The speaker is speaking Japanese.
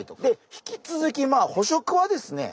引き続きまあ捕食はですね